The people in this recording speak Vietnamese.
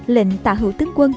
lệnh tả hữu tướng